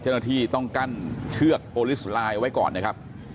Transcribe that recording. เจ้าหน้าที่ต้องกั้นเชือกโอลิสไลน์เอาไว้ก่อนนะครับ